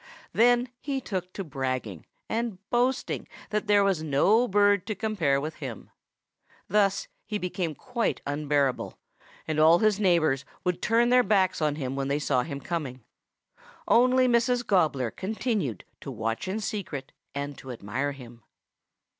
Then he took to bragging and boasting that there was no bird to compare with him. Thus he became quite unbearable, and all his neighbors would turn their backs on him when they saw him coming. Only Mrs. Gobbler continued to watch in secret and to admire him.